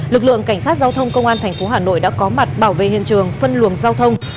lực lượng cảnh sát giao thông công an thành phố hà nội đã có mặt bảo vệ hiện trường phân luồng giao thông